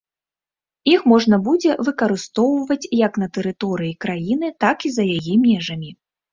Іх можна будзе выкарыстоўваць як на тэрыторыі краіны, так і за яе межамі.